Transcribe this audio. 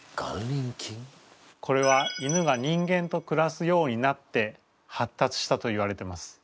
これは犬が人間とくらすようになって発達したといわれてます。